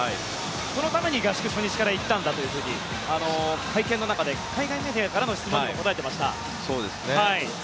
そのために合宿初日から行ったんだと会見の中で海外メディアからの質問にも答えていました。